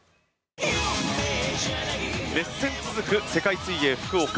熱戦続く世界水泳福岡。